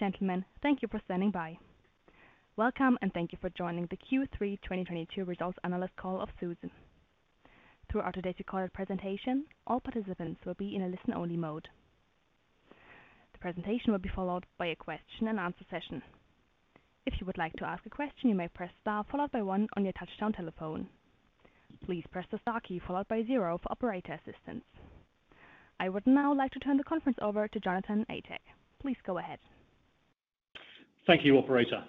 Ladies and gentlemen, thank you for standing by. Welcome, and thank you for joining the Q3 2022 Results Analyst call of SUSE. Throughout today's recorded presentation, all participants will be in a listen-only mode. The presentation will be followed by a question-and-answer session. If you would like to ask a question, you may press star followed by one on your touch-tone telephone. Please press the star key followed by zero for operator assistance. I would now like to turn the conference over to Jonathan Atack. Please go ahead. Thank you, operator.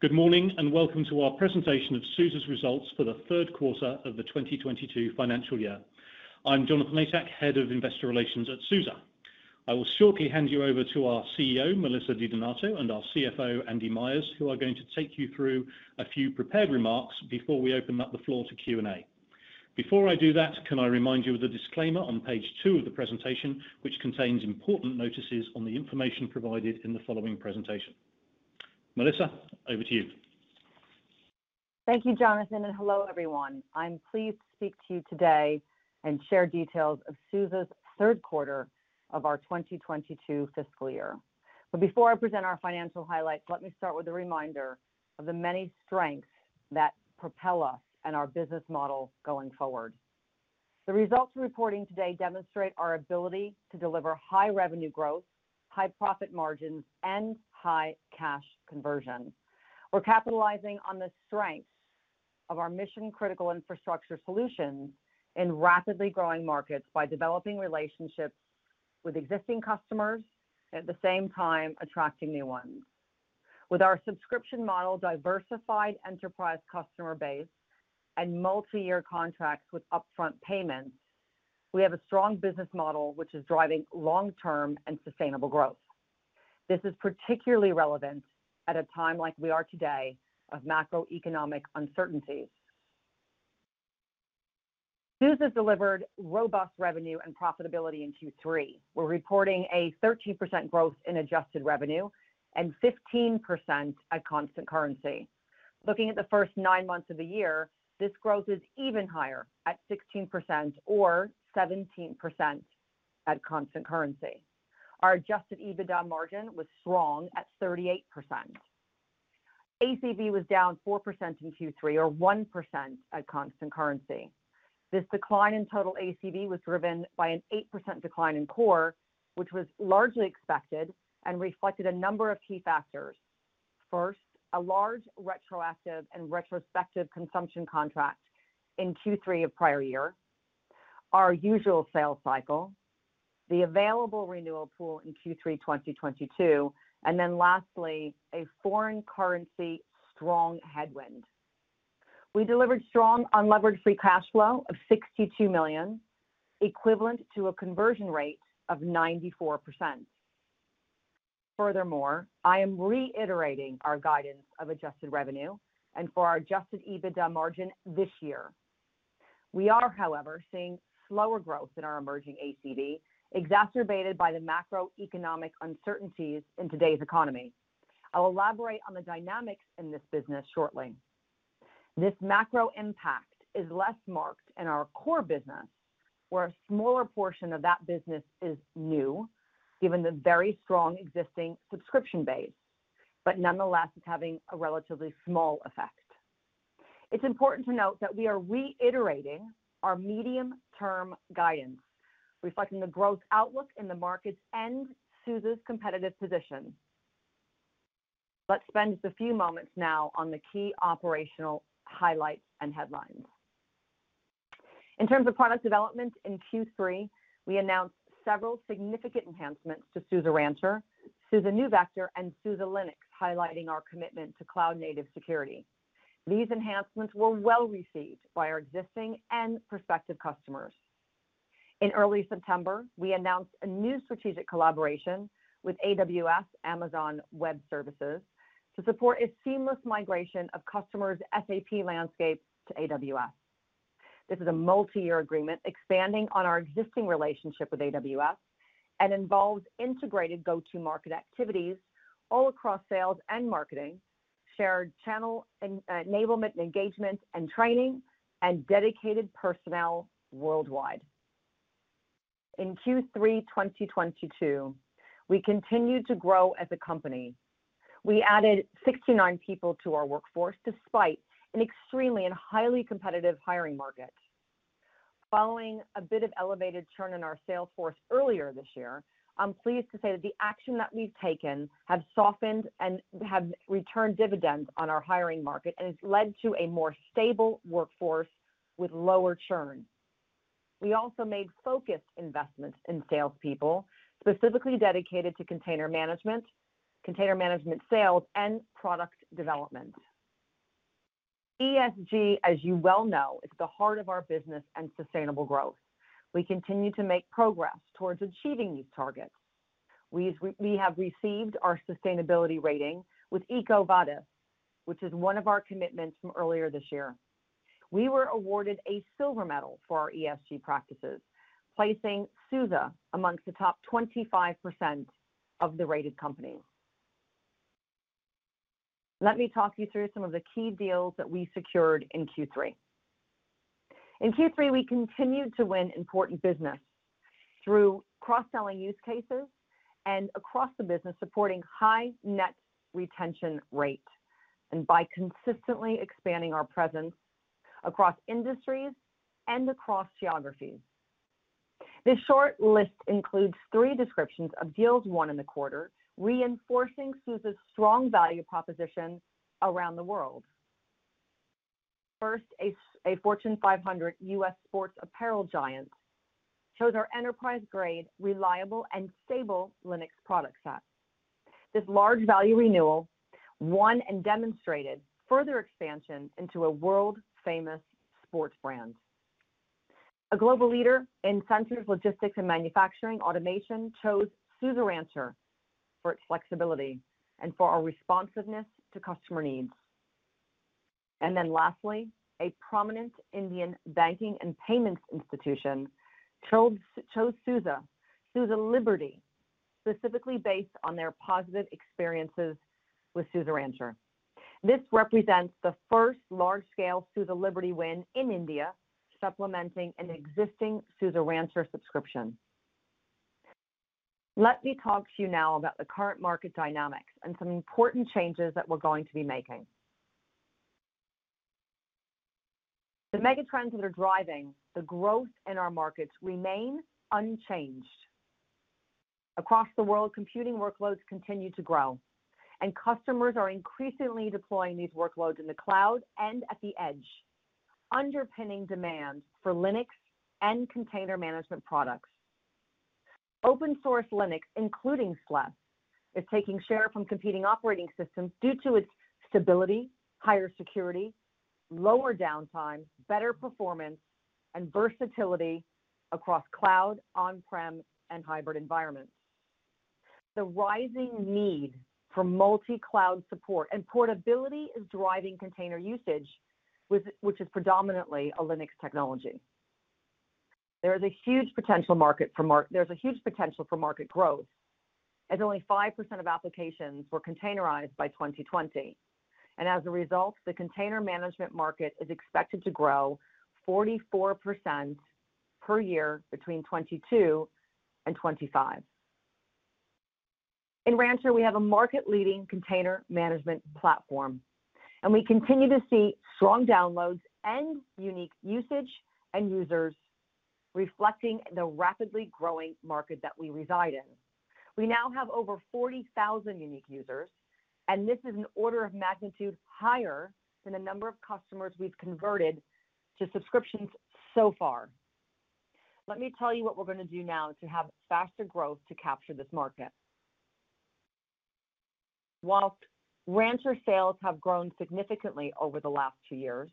Good morning, and welcome to our Presentation of SUSE's Results for the Third Quarter of the 2022 Financial Year. I'm Jonathan Atack, Head of Investor Relations at SUSE. I will shortly hand you over to our CEO, Melissa DiDonato, and our CFO, Andy Myers, who are going to take you through a few prepared remarks before we open up the floor to Q&A. Before I do that, can I remind you of the disclaimer on Page 2 of the presentation, which contains important notices on the information provided in the following presentation. Melissa, over to you. Thank you, Jonathan, and hello, everyone. I'm pleased to speak to you today and share details of SUSE's third quarter of our 2022 fiscal year. Before I present our financial highlights, let me start with a reminder of the many strengths that propel us and our business model going forward. The results we're reporting today demonstrate our ability to deliver high revenue growth, high profit margins, and high cash conversion. We're capitalizing on the strengths of our mission-critical infrastructure solutions in rapidly growing markets by developing relationships with existing customers, at the same time attracting new ones. With our subscription model diversified enterprise customer base and multiyear contracts with upfront payments, we have a strong business model which is driving long-term and sustainable growth. This is particularly relevant at a time like we are today of macroeconomic uncertainties. SUSE has delivered robust revenue and profitability in Q3. We're reporting a 13% growth in Adjusted Revenue and 15% at constant currency. Looking at the first nine months of the year, this growth is even higher at 16% or 17% at constant currency. Our Adjusted EBITDA margin was strong at 38%. ACV was down 4% in Q3 or 1% at constant currency. This decline in total ACV was driven by an 8% decline in core, which was largely expected and reflected a number of key factors. First, a large retroactive and retrospective consumption contract in Q3 of prior year, our usual sales cycle, the available renewal pool in Q3 2022, and then lastly, a foreign currency strong headwind. We delivered strong unlevered free cash flow of 62 million, equivalent to a conversion rate of 94%. Furthermore, I am reiterating our guidance of Adjusted Revenue and for our Adjusted EBITDA margin this year. We are, however, seeing slower growth in our Emerging ACV, exacerbated by the macroeconomic uncertainties in today's economy. I'll elaborate on the dynamics in this business shortly. This macro impact is less marked in our core business, where a smaller portion of that business is new, given the very strong existing subscription base, but nonetheless is having a relatively small effect. It's important to note that we are reiterating our medium-term guidance, reflecting the growth outlook in the markets and SUSE's competitive position. Let's spend a few moments now on the key operational highlights and headlines. In terms of product development in Q3, we announced several significant enhancements to SUSE Rancher, SUSE NeuVector, and SUSE Linux, highlighting our commitment to cloud-native security. These enhancements were well received by our existing and prospective customers. In early September, we announced a new strategic collaboration with AWS, Amazon Web Services, to support a seamless migration of customers' SAP landscapes to AWS. This is a multi-year agreement expanding on our existing relationship with AWS and involves integrated go-to-market activities all across sales and marketing, shared channel enablement and engagement and training, and dedicated personnel worldwide. In Q3 2022, we continued to grow as a company. We added 69 people to our workforce despite an extremely and highly competitive hiring market. Following a bit of elevated churn in our sales force earlier this year, I'm pleased to say that the action that we've taken have softened and have returned dividends on our hiring market, and it's led to a more stable workforce with lower churn. We also made focused investments in salespeople, specifically dedicated to container management sales, and product development. ESG, as you well know, is the heart of our business and sustainable growth. We continue to make progress towards achieving these targets. We have received our sustainability rating with EcoVadis, which is one of our commitments from earlier this year. We were awarded a silver medal for our ESG practices, placing SUSE amongst the top 25% of the rated companies. Let me talk you through some of the key deals that we secured in Q3. In Q3, we continued to win important business through cross-selling use cases and across the business, supporting high net retention rates, and by consistently expanding our presence across industries and across geographies. This short list includes three descriptions of deals won in the quarter, reinforcing SUSE's strong value proposition around the world. First, a Fortune 500 US sports apparel giant chose our enterprise-grade, reliable, and stable Linux product set. This large value renewal won and demonstrated further expansion into a world-famous sports brand. A global leader in sensors, logistics, and manufacturing automation chose SUSE Rancher for its flexibility and for our responsiveness to customer needs. Lastly, a prominent Indian banking and payments institution chose SUSE Liberty, specifically based on their positive experiences with SUSE Rancher. This represents the first large-scale SUSE Liberty win in India, supplementing an existing SUSE Rancher subscription. Let me talk to you now about the current market dynamics and some important changes that we're going to be making. The mega trends that are driving the growth in our markets remain unchanged. Across the world, computing workloads continue to grow, and customers are increasingly deploying these workloads in the cloud and at the edge, underpinning demand for Linux and container management products. Open source Linux, including SLES, is taking share from competing operating systems due to its stability, higher security, lower downtime, better performance, and versatility across cloud, on-prem, and hybrid environments. The rising need for multi-cloud support and portability is driving container usage, which is predominantly a Linux technology. There is a huge potential for market growth, as only 5% of applications were containerised by 2020. As a result, the container management market is expected to grow 44% per year between 2022 and 2025. In Rancher, we have a market-leading container management platform, and we continue to see strong downloads and unique usage and users reflecting the rapidly growing market that we reside in. We now have over 40,000 unique users, and this is an order of magnitude higher than the number of customers we've converted to subscriptions so far. Let me tell you what we're going to do now to have faster growth to capture this market. While Rancher sales have grown significantly over the last two years,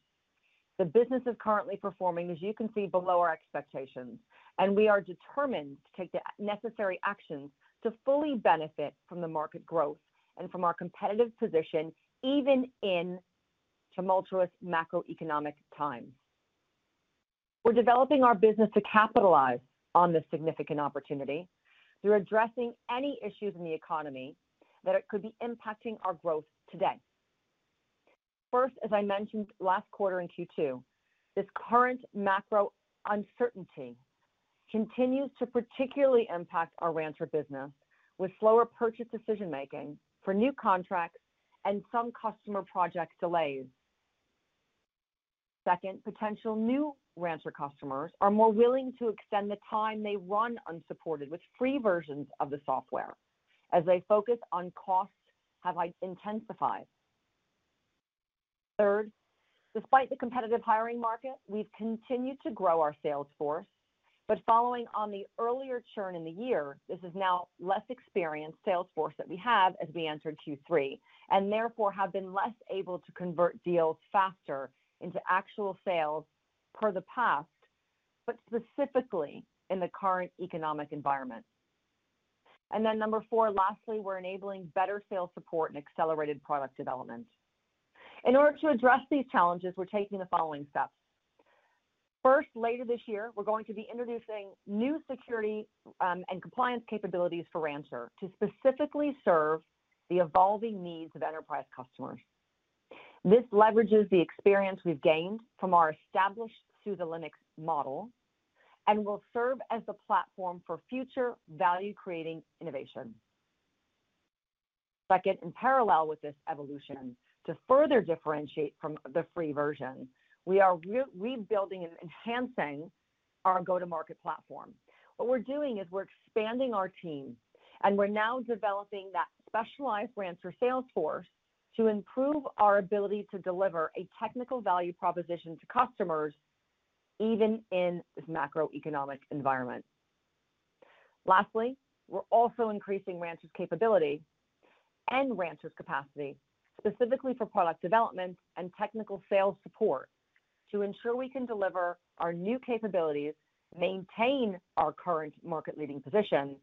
the business is currently performing, as you can see, below our expectations, and we are determined to take the necessary actions to fully benefit from the market growth and from our competitive position, even in tumultuous macroeconomic times. We're developing our business to capitalize on this significant opportunity through addressing any issues in the economy that could be impacting our growth today. First, as I mentioned last quarter in Q2, this current macro uncertainty continues to particularly impact our Rancher business with slower purchase decision-making for new contracts and some customer project delays. Second, potential new Rancher customers are more willing to extend the time they run unsupported with free versions of the software as their focus on costs have intensified. Third, despite the competitive hiring market, we've continued to grow our sales force. Following on the earlier churn in the year, this is now less experienced sales force that we have as we entered Q3, and therefore have been less able to convert deals faster into actual sales per the past, but specifically in the current economic environment. Number four, lastly, we're enabling better sales support and accelerated product development. In order to address these challenges, we're taking the following steps. First, later this year, we're going to be introducing new security and compliance capabilities for Rancher to specifically serve the evolving needs of enterprise customers. This leverages the experience we've gained from our established SUSE Linux model and will serve as the platform for future value-creating innovation. Second, in parallel with this evolution, to further differentiate from the free version, we are rebuilding and enhancing our go-to-market platform. What we're doing is we're expanding our team, and we're now developing that specialized Rancher sales force to improve our ability to deliver a technical value proposition to customers even in this macroeconomic environment. Lastly, we're also increasing Rancher's capability and Rancher's capacity specifically for product development and technical sales support to ensure we can deliver our new capabilities, maintain our current market leading position,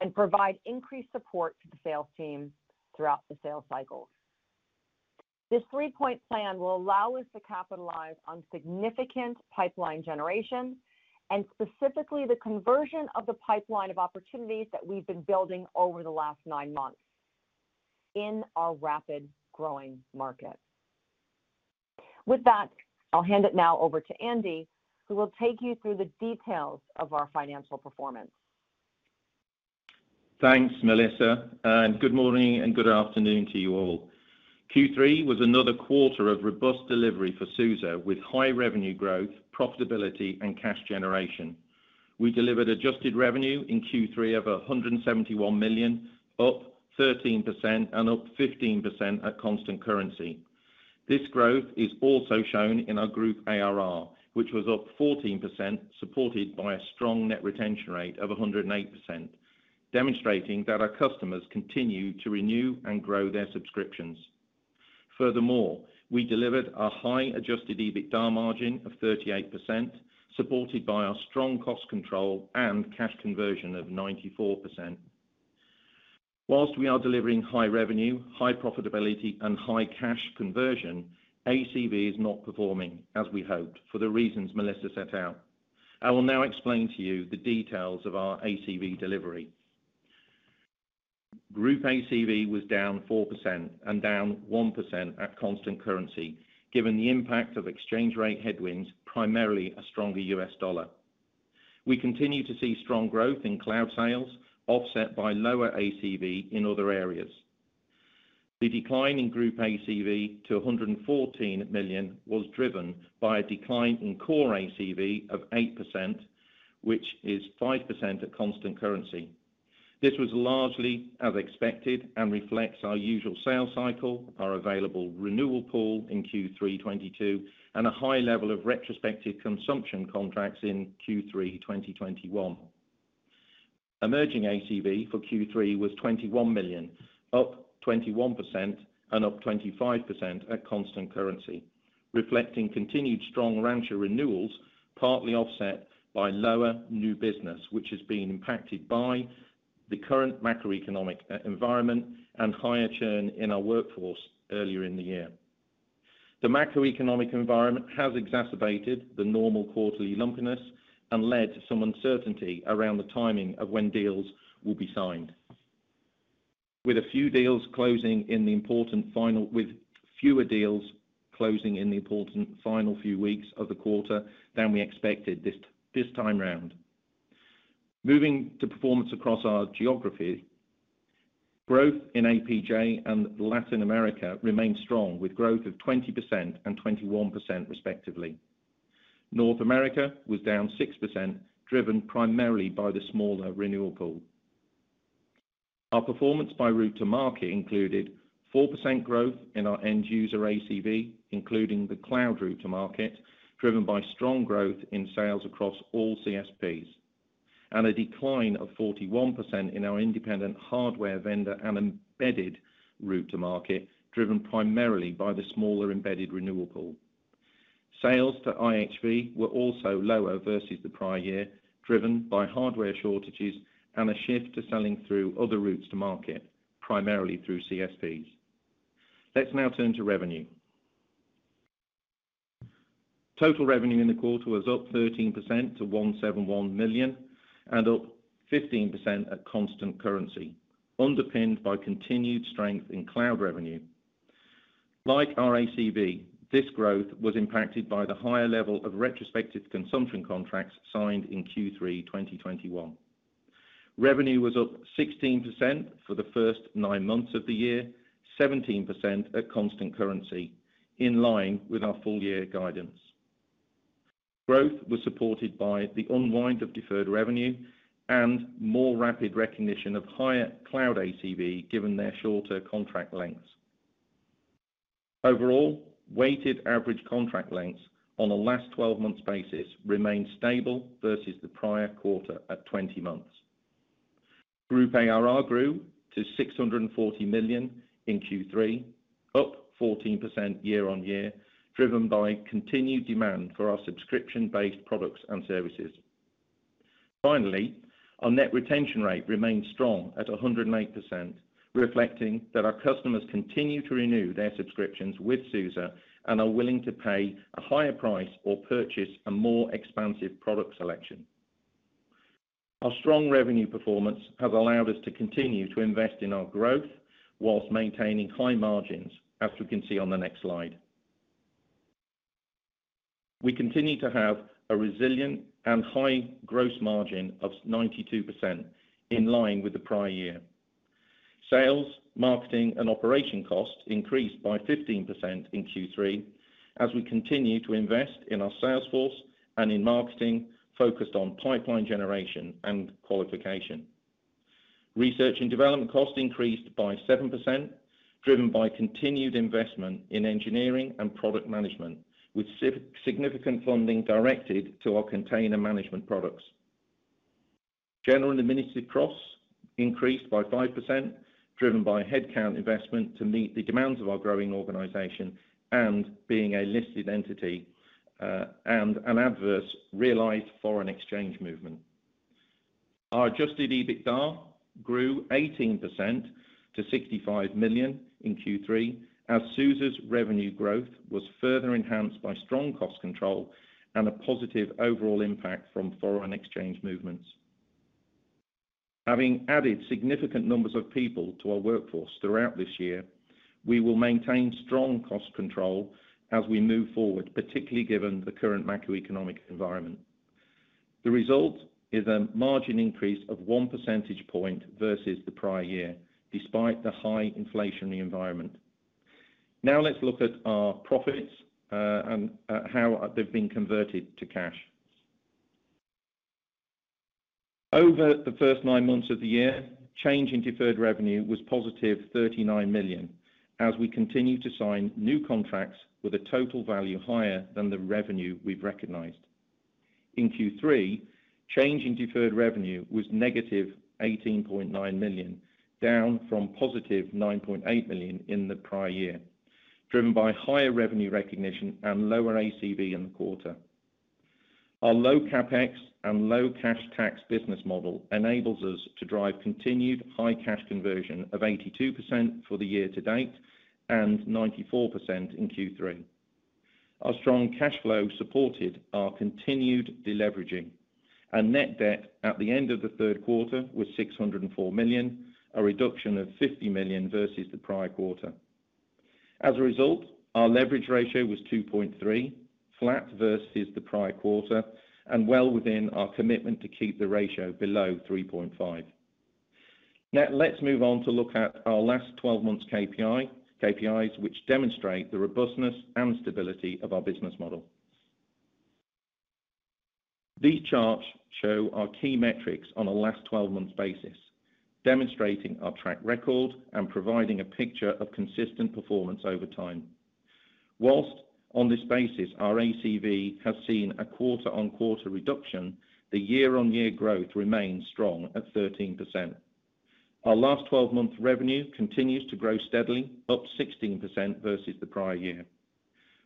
and provide increased support to the sales team throughout the sales cycles. This three-point plan will allow us to capitalize on significant pipeline generation and specifically the conversion of the pipeline of opportunities that we've been building over the last nine months in our rapidly growing market. With that, I'll hand it now over to Andy, who will take you through the details of our financial performance. Thanks, Melissa, and good morning and good afternoon to you all. Q3 was another quarter of robust delivery for SUSE, with high revenue growth, profitability, and cash generation. We delivered Adjusted Revenue in Q3 of 171 million, up 13% and up 15% at constant currency. This growth is also shown in our group ARR, which was up 14%, supported by a strong net retention rate of 108%, demonstrating that our customers continue to renew and grow their subscriptions. Furthermore, we delivered a high Adjusted EBITDA margin of 38%, supported by our strong cost control and cash conversion of 94%. While we are delivering high revenue, high profitability and high cash generation, ACV is not performing as we hoped for the reasons Melissa set out. I will now explain to you the details of our ACV delivery. Group ACV was down 4% and down 1% at constant currency, given the impact of exchange rate headwinds, primarily a stronger US dollar. We continue to see strong growth in cloud sales offset by lower ACV in other areas. The decline in Group ACV to 114 million was driven by a decline in core ACV of 8%, which is 5% at constant currency. This was largely as expected and reflects our usual sales cycle, our available renewal pool in Q3 2022, and a high level of retrospective consumption contracts in Q3 2021. Emerging ACV for Q3 was 21 million, up 21% and up 25% at constant currency, reflecting continued strong Rancher renewals, partly offset by lower new business, which has been impacted by the current macroeconomic environment and higher churn in our workforce earlier in the year. The macroeconomic environment has exacerbated the normal quarterly lumpiness and led to some uncertainty around the timing of when deals will be signed. With fewer deals closing in the important final few weeks of the quarter than we expected this time round. Moving to performance across our geography. Growth in APJ and Latin America remains strong, with growth of 20% and 21% respectively. North America was down 6%, driven primarily by the smaller renewal pool. Our performance by route to market included 4% growth in our end user ACV, including the Cloud Route-to-Market, driven by strong growth in sales across all CSPs, and a decline of 41% in our Independent Hardware Vendor and embedded route to market, driven primarily by the smaller embedded renewal pool. Sales to IHV were also lower versus the prior year, driven by hardware shortages and a shift to selling through other routes to market, primarily through CSPs. Let's now turn to revenue. Total revenue in the quarter was up 13% to 171 million and up 15% at constant currency, underpinned by continued strength in cloud revenue. Like our ACV, this growth was impacted by the higher level of retrospective consumption contracts signed in Q3 2021. Revenue was up 16% for the first nine months of the year, 17% at constant currency in line with our full year guidance. Growth was supported by the unwind of deferred revenue and more rapid recognition of higher cloud ACV given their shorter contract lengths. Overall, weighted average contract lengths on a last 12 months basis remained stable versus the prior quarter at 20 months. Group ARR grew to 640 million in Q3, up 14% year-over-year, driven by continued demand for our subscription-based products and services. Finally, our net retention rate remains strong at 108%, reflecting that our customers continue to renew their subscriptions with SUSE and are willing to pay a higher price or purchase a more expansive product selection. Our strong revenue performance has allowed us to continue to invest in our growth while maintaining high margins as we can see on the next slide. We continue to have a resilient and high gross margin of 92% in line with the prior year. Sales, marketing and operating costs increased by 15% in Q3 as we continue to invest in our sales force and in marketing focused on pipeline generation and qualification. Research and development costs increased by 7%, driven by continued investment in engineering and product management, with significant funding directed to our container management products. General and administrative costs increased by 5%, driven by headcount investment to meet the demands of our growing organization and being a listed entity, and an adverse realized foreign exchange movement. Our Adjusted EBITDA grew 18% to 65 million in Q3 as SUSE's revenue growth was further enhanced by strong cost control and a positive overall impact from foreign exchange movements. Having added significant numbers of people to our workforce throughout this year, we will maintain strong cost control as we move forward, particularly given the current macroeconomic environment. The result is a margin increase of 1 percentage point versus the prior year, despite the high inflationary environment. Now let's look at our profits and how they've been converted to cash. Over the first nine months of the year, change in deferred revenue was positive 39 million as we continue to sign new contracts with a total value higher than the revenue we've recognized. In Q3, change in deferred revenue was negative 18.9 million, down from positive 9.8 million in the prior year, driven by higher revenue recognition and lower ACV in the quarter. Our low CapEx and low cash tax business model enables us to drive continued high cash conversion of 82% for the year to date and 94% in Q3. Our strong cash flow supported our continued deleveraging. Our net debt at the end of the third quarter was 604 million, a reduction of 50 million versus the prior quarter. As a result, our leverage ratio was 2.3, flat versus the prior quarter, and well within our commitment to keep the ratio below 3.5. Now let's move on to look at our last 12 months KPI, KPIs which demonstrate the robustness and stability of our business model. These charts show our key metrics on a last 12 months basis, demonstrating our track record and providing a picture of consistent performance over time. While on this basis, our ACV has seen a quarter-on-quarter reduction, the year-on-year growth remains strong at 13%. Our last 12-month revenue continues to grow steadily, up 16% versus the prior year.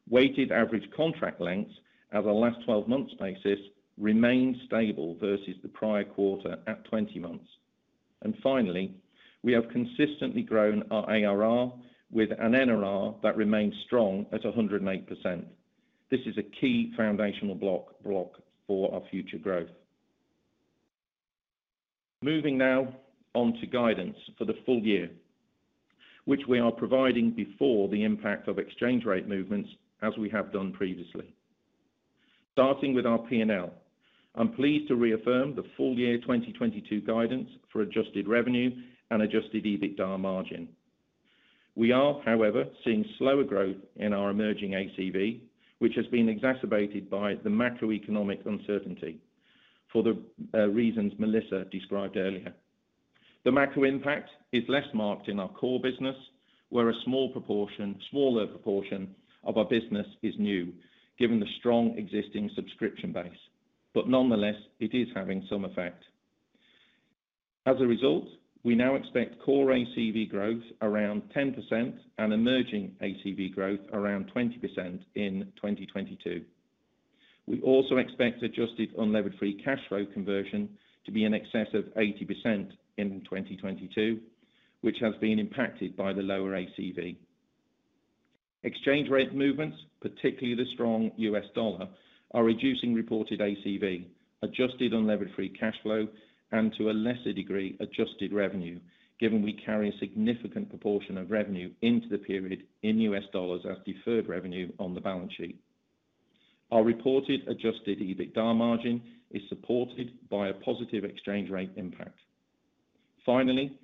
Weighted average contract lengths on a last 12 months basis remain stable versus the prior quarter at 20 months. Finally, we have consistently grown our ARR with an NRR that remains strong at 108%. This is a key foundational block for our future growth. Moving now on to guidance for the full year, which we are providing before the impact of exchange rate movements, as we have done previously. Starting with our P&L, I'm pleased to reaffirm the full year 2022 guidance for Adjusted Revenue and Adjusted EBITDA margin. We are, however, seeing slower growth in our Emerging ACV, which has been exacerbated by the macroeconomic uncertainty for the reasons Melissa described earlier. The macro impact is less marked in our core business, where a smaller proportion of our business is new, given the strong existing subscription base. Nonetheless, it is having some effect. As a result, we now expect core ACV growth around 10% and Emerging ACV growth around 20% in 2022. We also expect adjusted unlevered free cash flow conversion to be in excess of 80% in 2022, which has been impacted by the lower ACV. Exchange rate movements, particularly the strong U.S. dollar, are reducing reported ACV, adjusted unlevered free cash flow and to a lesser degree, Adjusted Revenue, given we carry a significant proportion of revenue into the period in U.S. dollars as deferred revenue on the balance sheet. Our reported Adjusted EBITDA margin is supported by a positive exchange rate impact. Finally,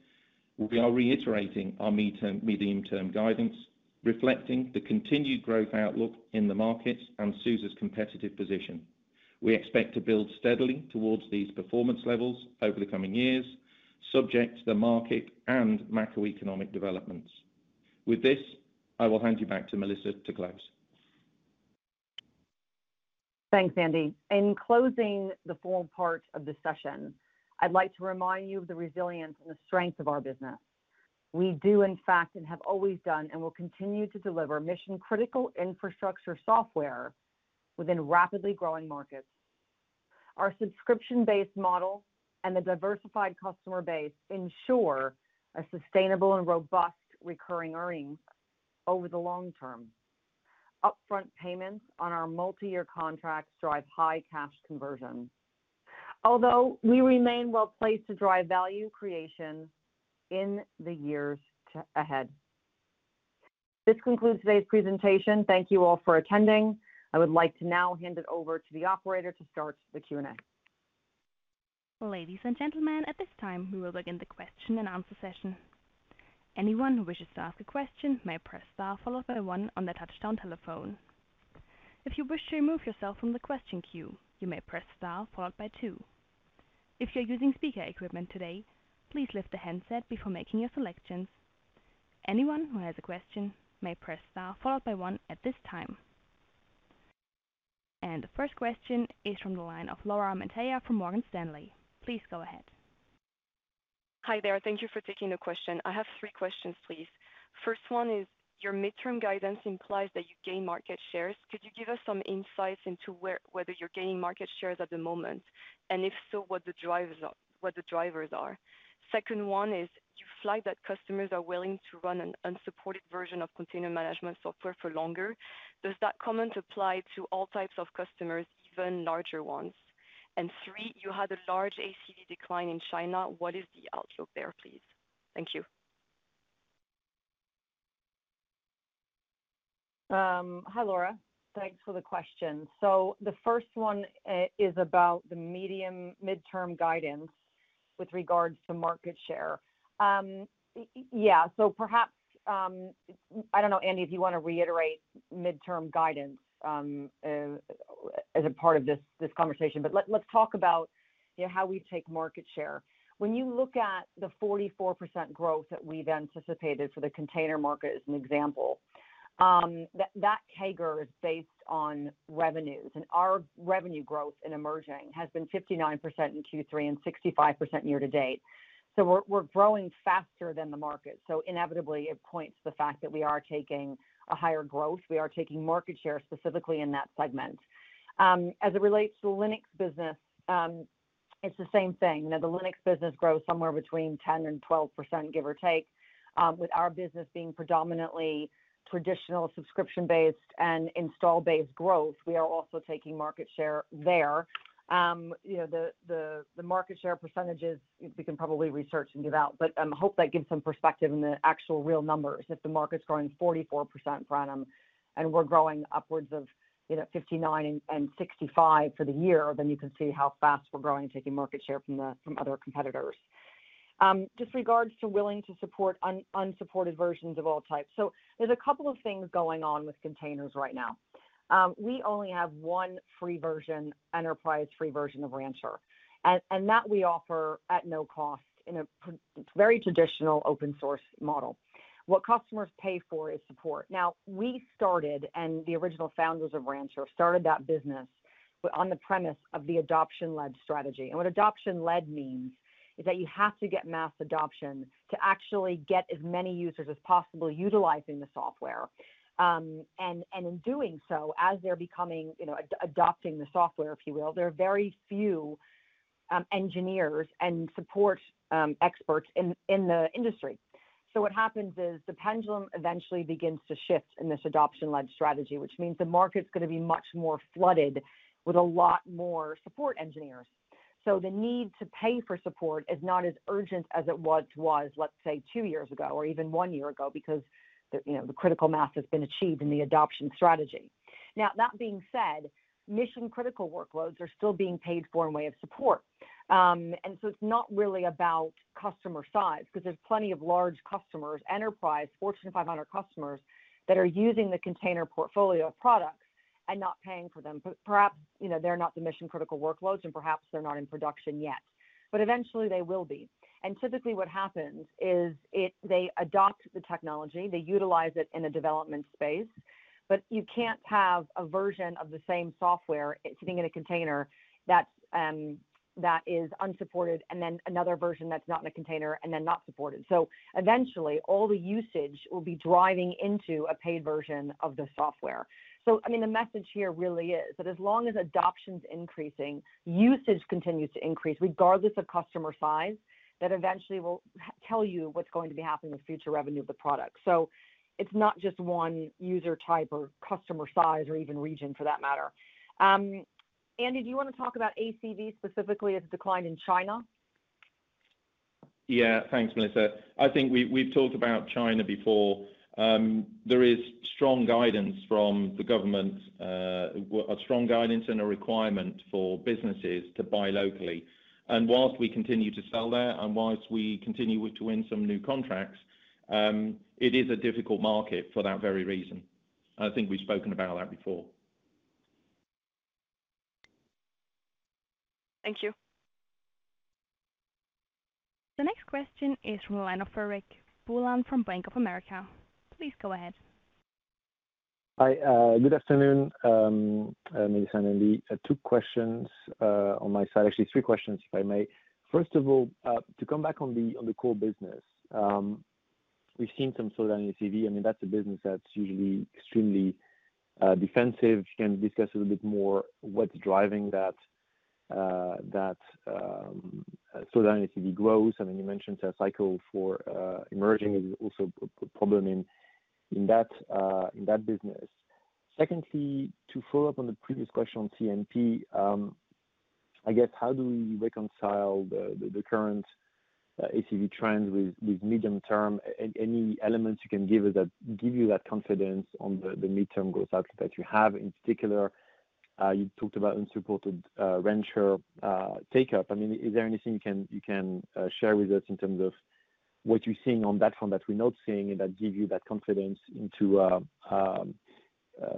we are reiterating our medium-term guidance, reflecting the continued growth outlook in the markets and SUSE's competitive position. We expect to build steadily towards these performance levels over the coming years, subject to the market and macroeconomic developments. With this, I will hand you back to Melissa to close. Thanks, Andy. In closing the full part of the session, I'd like to remind you of the resilience and the strength of our business. We do, in fact, and have always done, and will continue to deliver mission-critical infrastructure software within rapidly growing markets. Our subscription-based model and the diversified customer base ensure a sustainable and robust recurring earnings over the long term. Upfront payments on our multi-year contracts drive high cash conversion. Although we remain well placed to drive value creation in the years ahead. This concludes today's presentation. Thank you all for attending. I would like to now hand it over to the operator to start the Q&A. Ladies and gentlemen, at this time, we will begin the question-and-answer session. Anyone who wishes to ask a question may press star followed by one on their touch-tone telephone. If you wish to remove yourself from the question queue, you may press star followed by two. If you're using speaker equipment today, please lift the handset before making your selections. Anyone who has a question may press star followed by one at this time. The first question is from the line of Laura Metayer from Morgan Stanley. Please go ahead. Hi there. Thank you for taking the question. I have three questions, please. First one is, your midterm guidance implies that you gain market shares. Could you give us some insights into whether you're gaining market shares at the moment? And if so, what the drivers are. Second one is, you flag that customers are willing to run an unsupported version of container management software for longer. Does that comment apply to all types of customers, even larger ones? And three, you had a large ACV decline in China. What is the outlook there, please? Thank you. Hi, Laura. Thanks for the question. The first one is about the midterm guidance with regards to market share. Perhaps I don't know, Andy, if you wanna reiterate midterm guidance as a part of this conversation. Let's talk about, you know, how we take market share. When you look at the 44% growth that we've anticipated for the container market as an example, that CAGR is based on revenues. Our revenue growth in emerging has been 59% in Q3 and 65% year to date. We're growing faster than the market. Inevitably it points to the fact that we are taking a higher growth. We are taking market share specifically in that segment. As it relates to the Linux business, it's the same thing. You know, the Linux business grows somewhere between 10% to 12%, give or take. With our business being predominantly traditional subscription-based and install-based growth, we are also taking market share there. You know, the market share percentages, you can probably research and give out, but hope that gives some perspective in the actual real numbers. If the market's growing 44% run, and we're growing upwards of, you know, 59% and 65% for the year, then you can see how fast we're growing and taking market share from other competitors. Just regards to willing to support unsupported versions of all types. There's a couple of things going on with containers right now. We only have one free version, enterprise free version of Rancher, and that we offer at no cost in a very traditional open source model. What customers pay for is support. Now, we started, and the original founders of Rancher started that business on the premise of the adoption-led strategy. What adoption-led means is that you have to get mass adoption to actually get as many users as possible utilizing the software. In doing so, as they're becoming, you know, adopting the software, if you will, there are very few engineers and support experts in the industry. What happens is the pendulum eventually begins to shift in this adoption-led strategy, which means the market's gonna be much more flooded with a lot more support engineers. The need to pay for support is not as urgent as it was, let's say, two years ago or even one year ago, because the, you know, the critical mass has been achieved in the adoption strategy. Now, that being said, mission-critical workloads are still being paid for in way of support. It's not really about customer size 'cause there's plenty of large customers, enterprise Fortune 500 customers, that are using the container portfolio of products and not paying for them. Perhaps, you know, they're not the mission-critical workloads and perhaps they're not in production yet, but eventually they will be. Typically what happens is they adopt the technology, they utilize it in a development space, but you can't have a version of the same software sitting in a container that is unsupported and then another version that's not in a container and then not supported. So eventually all the usage will be driving into a paid version of the software. So I mean, the message here really is that as long as adoption's increasing, usage continues to increase regardless of customer size, that eventually will tell you what's going to be happening with future revenue of the product. So it's not just one user type or customer size or even region for that matter. Andy, do you wanna talk about ACV? Specifically as a decline in China. Yeah. Thanks, Melissa. I think we've talked about China before. There is strong guidance from the government, a strong guidance and a requirement for businesses to buy locally. While we continue to sell there and while we continue to win some new contracts, it is a difficult market for that very reason. I think we've spoken about that before. Thank you. The next question is from Frederic Boulan from Bank of America. Please go ahead. Hi. Good afternoon, Melissa and Andy. Two questions on my side. Actually three questions, if I may. First of all, to come back on the core business, we've seen some slowdown in ACV. I mean, that's a business that's usually extremely defensive. Can you discuss a little bit more what's driving that slowdown in ACV growth? I mean, you mentioned a cycle for emerging is also a problem in that business. Secondly, to follow up on the previous question on MTP, I guess how do we reconcile the current ACV trends with medium term? Any elements you can give us that give you that confidence on the midterm growth outlook that you have. In particular, you talked about unsupported Rancher take-up. I mean, is there anything you can share with us in terms of what you're seeing on that front that we're not seeing and that give you that confidence into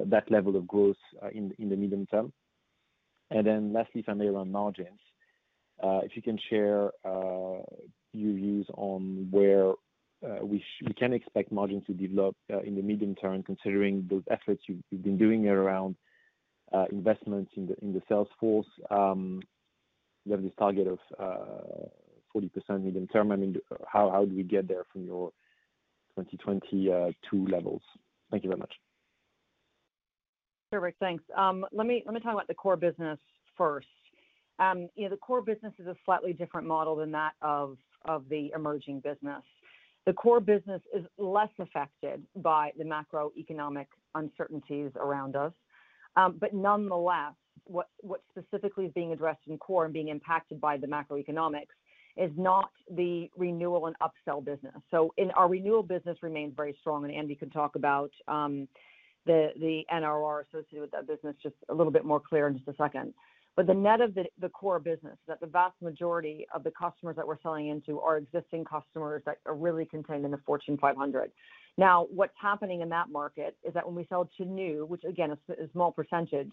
that level of growth in the medium term? Then lastly, if I may, around margins, if you can share your views on where we can expect margins to develop in the medium term, considering those efforts you've been doing around investments in the sales force. You have this target of 40% medium term. I mean, how do we get there from your 2022 levels? Thank you very much. Frederic, thanks. Let me talk about the core business first. You know, the core business is a slightly different model than that of the emerging business. The core business is less affected by the macroeconomic uncertainties around us. Nonetheless, what specifically is being addressed in core and being impacted by the macroeconomics is not the renewal and upsell business. In our renewal business remains very strong, and Andy can talk about the NRR associated with that business just a little bit more clear in just a second. The net of the core business is that the vast majority of the customers that we're selling into are existing customers that are really contained in the Fortune 500. Now, what's happening in that market is that when we sell to new, which again is a small percentage,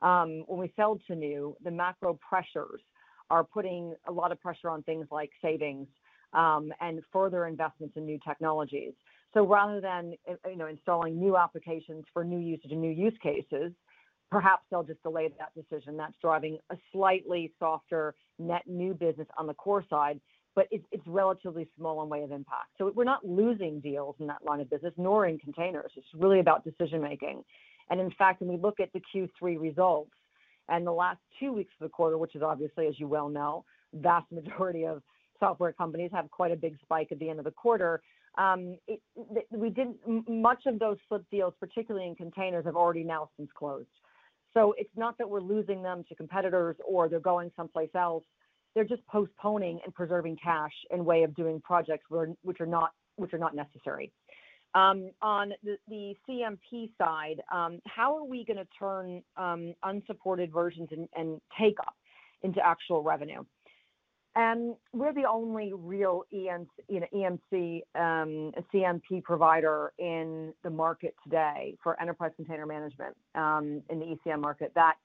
when we sell to new, the macro pressures are putting a lot of pressure on things like savings, and further investments in new technologies. So rather than, you know, installing new applications for new usage and new use cases, perhaps they'll just delay that decision. That's driving a slightly softer net new business on the core side, but it's relatively small in way of impact. So we're not losing deals in that line of business nor in containers. It's really about decision making. In fact, when we look at the Q3 results and the last two weeks of the quarter, which is obviously, as you well know, vast majority of software companies have quite a big spike at the end of the quarter. Much of those slipped deals, particularly in containers, have already now since closed. It's not that we're losing them to competitors or they're going someplace else. They're just postponing and preserving cash in way of doing projects which are not necessary. On the ECM side, how are we gonna turn unsupported versions and take up into actual revenue? We're the only real ECM, you know, ECM provider in the market today for enterprise container management, in the ECM market that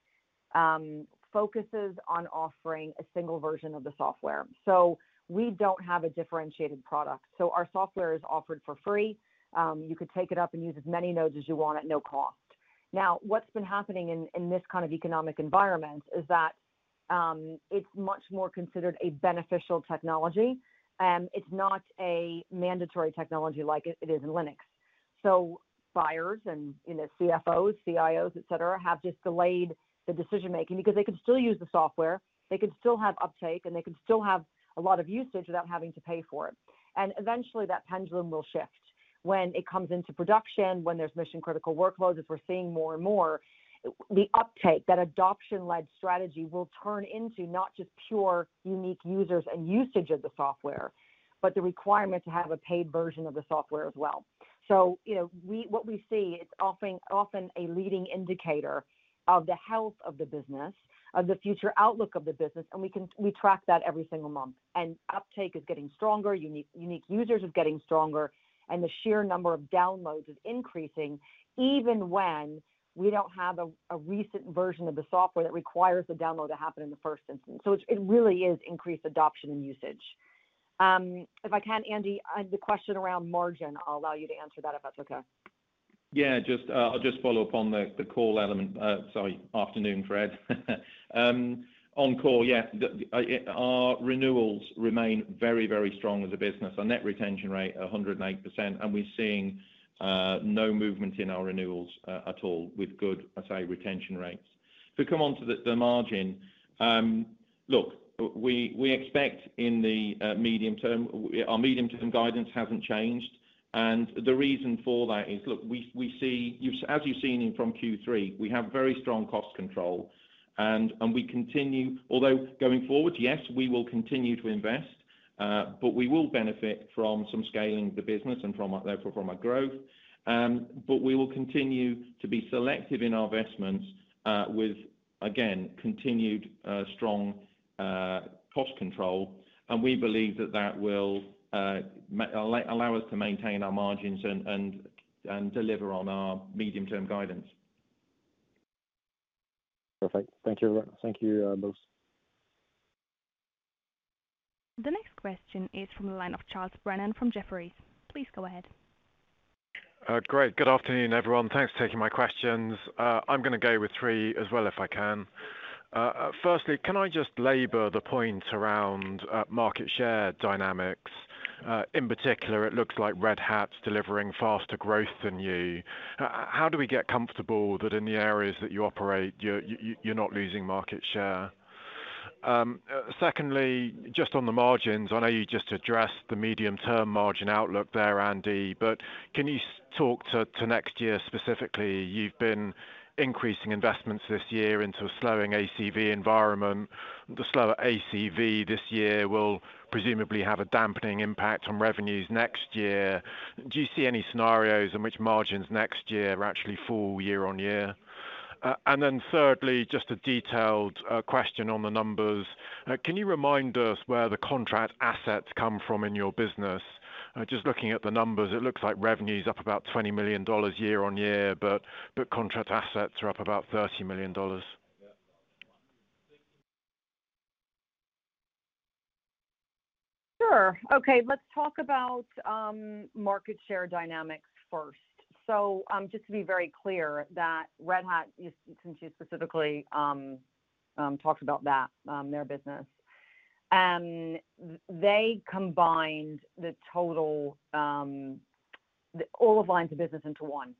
focuses on offering a single version of the software. We don't have a differentiated product. Our software is offered for free. You could take it up and use as many nodes as you want at no cost. Now, what's been happening in this kind of economic environment is that it's much more considered a beneficial technology. It's not a mandatory technology like it is in Linux. So buyers and, you know, CFOs, CIOs, et cetera, have just delayed the decision making because they can still use the software, they can still have uptake, and they can still have a lot of usage without having to pay for it. Eventually that pendulum will shift when it comes into production, when there's mission-critical workloads, as we're seeing more and more. The uptake, that adoption-led strategy will turn into not just pure unique users and usage of the software, but the requirement to have a paid version of the software as well. You know, what we see is often a leading indicator of the health of the business, of the future outlook of the business, and we track that every single month. Uptake is getting stronger, unique users are getting stronger, and the sheer number of downloads is increasing even when we don't have a recent version of the software that requires the download to happen in the first instance. It really is increased adoption and usage. If I can, Andy, the question around margin, I'll allow you to answer that, if that's okay? Yeah, just, I'll just follow up on the call element—sorry. Afternoon, Fred. On core, yeah. Our renewals remain very, very strong as a business. Our net retention rate 108%, and we're seeing no movement in our renewals at all with good, I say, retention rates. If we come on to the margin. Look, we expect in the medium term, our medium term guidance hasn't changed. The reason for that is, look, as you've seen from Q3, we have very strong cost control and we continue. Although going forward, yes, we will continue to invest, but we will benefit from some scaling of the business and therefore from our growth. We will continue to be selective in our investments with again continued strong cost control. We believe that that will allow us to maintain our margins and deliver on our medium-term guidance. Perfect. Thank you, everyone. Thank you, both. The next question is from the line of Charles Brennan from Jefferies. Please go ahead. Great. Good afternoon, everyone. Thanks for taking my questions. I'm gonna go with three as well, if I can. Firstly, can I just labor the point around market share dynamics? In particular, it looks like Red Hat's delivering faster growth than you. How do we get comfortable that in the areas that you operate, you're not losing market share? Secondly, just on the margins, I know you just addressed the medium-term margin outlook there, Andy, but can you talk to next year specifically? You've been increasing investments this year into a slowing ACV environment. The slower ACV this year will presumably have a dampening impact on revenues next year. Do you see any scenarios in which margins next year are actually full year on year? And then thirdly, just a detailed question on the numbers. Can you remind us where the contract assets come from in your business? Just looking at the numbers, it looks like revenue's up about $20 million year-over-year, but contract assets are up about $30 million. Okay, let's talk about market share dynamics first. Just to be very clear, Red Hat, since you specifically talked about that, their business. They combined all lines of business into one.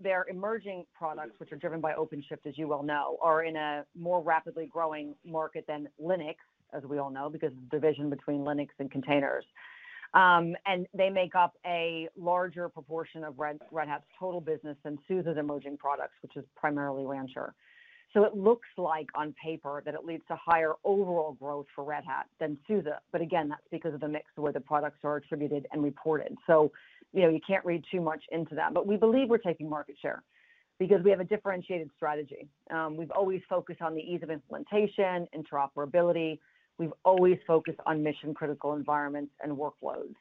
Their emerging products, which are driven by OpenShift, as you well know, are in a more rapidly growing market than Linux, as we all know, because of the division between Linux and containers. They make up a larger proportion of Red Hat's total business than SUSE's emerging products, which is primarily Rancher. It looks like on paper that it leads to higher overall growth for Red Hat than SUSE. Again, that's because of the mix where the products are attributed and reported. You know, you can't read too much into that. We believe we're taking market share because we have a differentiated strategy. We've always focused on the ease of implementation, interoperability. We've always focused on mission-critical environments and workflows.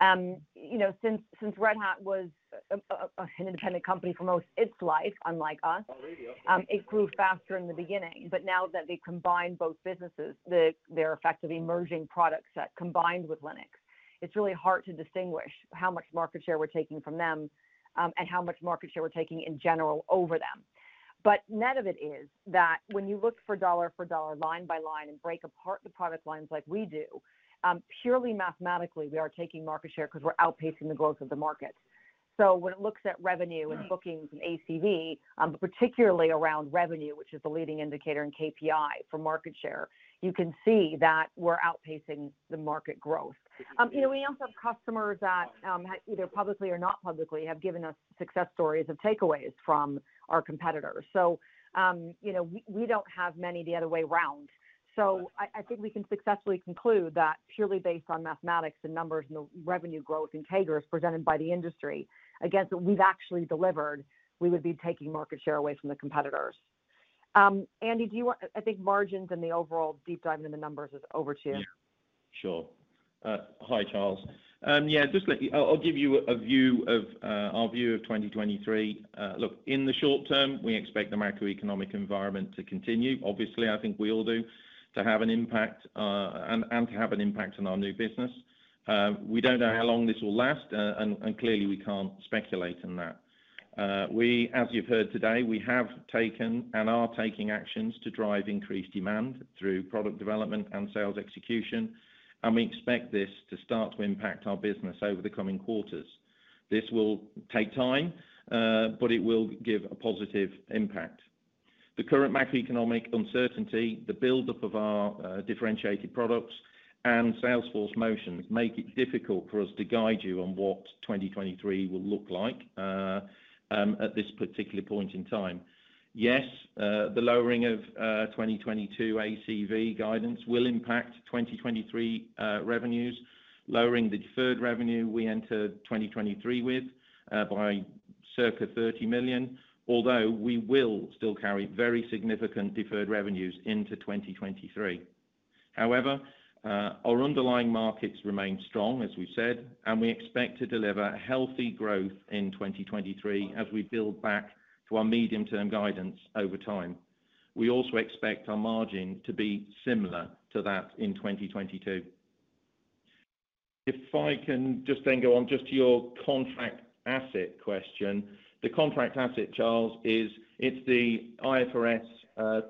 You know, since Red Hat was an independent company for most its life, unlike us, it grew faster in the beginning. Now that they combine both businesses, their effective emerging product set combined with Linux, it's really hard to distinguish how much market share we're taking from them, and how much market share we're taking in general over them. Net of it is that when you look for dollar for dollar, line by line, and break apart the product lines like we do, purely mathematically, we are taking market share 'cause we're outpacing the growth of the market. When it looks at revenue and bookings and ACV, but particularly around revenue, which is the leading indicator in KPI for market share, you can see that we're outpacing the market growth. You know, we also have customers that, either publicly or not publicly, have given us success stories of takeaways from our competitors. You know, we don't have many the other way around. I think we can successfully conclude that purely based on mathematics and numbers and the revenue growth in CAGR as presented by the industry against what we've actually delivered, we would be taking market share away from the competitors. Andy, I think margins and the overall deep dive into the numbers is over to you. Yeah, sure. Hi, Charles. Just let me give you our view of 2023. Look, in the short term, we expect the macroeconomic environment to continue. Obviously, I think we all do to have an impact on our new business. We don't know how long this will last, and clearly we can't speculate on that. As you've heard today, we have taken and are taking actions to drive increased demand through product development and sales execution, and we expect this to start to impact our business over the coming quarters. This will take time, but it will give a positive impact. The current macroeconomic uncertainty, the buildup of our differentiated products, and sales motions make it difficult for us to guide you on what 2023 will look like at this particular point in time. Yes, the lowering of 2022 ACV guidance will impact 2023 revenues, lowering the deferred revenue we enter 2023 with by circa 30 million, although we will still carry very significant deferred revenues into 2023. However, our underlying markets remain strong, as we've said, and we expect to deliver healthy growth in 2023 as we build back to our medium-term guidance over time. We also expect our margin to be similar to that in 2022. If I can just then go on just to your contract asset question. The contract asset, Charles, is the IFRS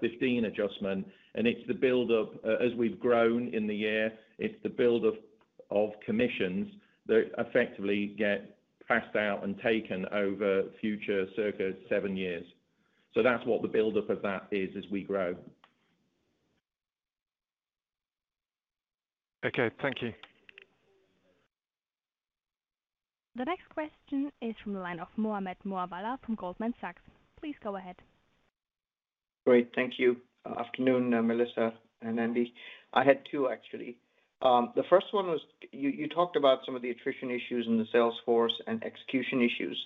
15 adjustment, and it's the buildup as we've grown in the year. It's the buildup of commissions that effectively get paid out and amortized over future circa seven years. That's what the buildup of that is as we grow. Okay. Thank you. The next question is from the line of Mohammed Moawalla from Goldman Sachs. Please go ahead. Great. Thank you. Afternoon, Melissa and Andy. I had two, actually. The first one was you talked about some of the attrition issues in the sales force and execution issues.